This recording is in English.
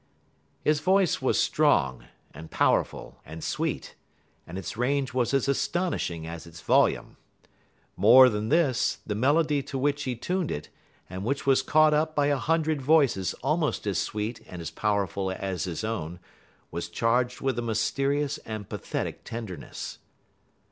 His voice was strong, and powerful, and sweet, and its range was as astonishing as its volume. More than this, the melody to which he tuned it, and which was caught up by a hundred voices almost as sweet and as powerful as his own, was charged with a mysterious and pathetic tenderness.